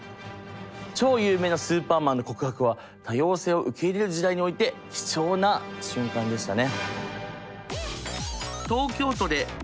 超有名なスーパーマンの告白は多様性を受け入れる時代において貴重な瞬間でしたね。